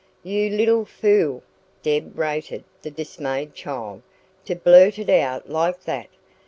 "You little FOOL!" Deb rated the dismayed child, "to blurt it out like that.